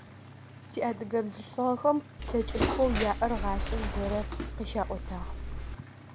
Тиадыгэ бзылъфыгъэхэм лъэкӏышхоу яӏэр гъашӏэм бэрэ къыщаӏотагъ.